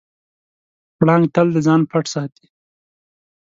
پړانګ تل د ځان پټ ساتي.